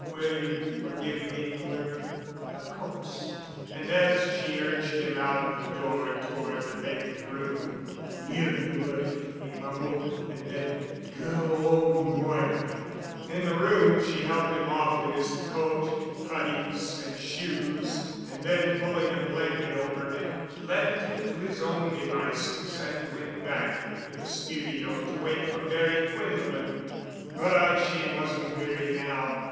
"Will you forgive me, Moira?" "Of course." And as she urged him out of the door toward the vacant room, "Knew y'would," he mumbled. And then, "Goo' ol' Moira!" In the room she helped him off with his coat, puttees and shoes and then pulling a blanket over him left him to his own devices and went back to the studio to wait for Barry Quinlevin. But she wasn't weary now.